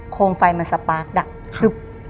โครงไฟมันสปาร์คดับดึบ